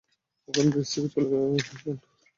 এখন ব্রিজ থেকে চলে যান।